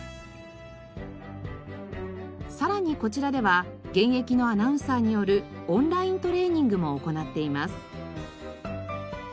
さらにこちらでは現役のアナウンサーによるオンライントレーニングも行っています。